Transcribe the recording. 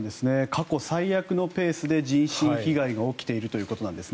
過去最悪のペースで人身被害が起きているということです。